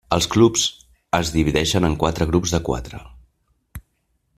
Els clubs es divideixen en quatre grups de quatre.